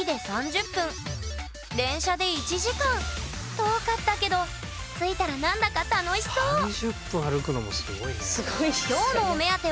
遠かったけど着いたら何だか楽しそう３０分歩くのもすごいね。